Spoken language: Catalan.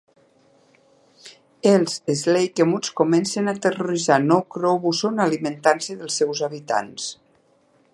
Els "slakemoths" comencen a terroritzar Nou Crobuzon, alimentant-se dels seus habitants.